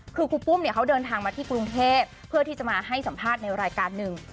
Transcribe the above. คือครูปุ้มเนี่ยเขาเดินทางมาที่กรุงเทพเพื่อที่จะมาให้สัมภาษณ์ในรายการหนึ่ง